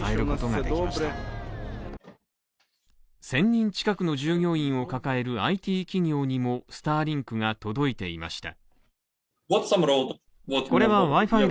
１０００人近くの従業員を抱えるＩＴ企業にもスターリンクが届いていました。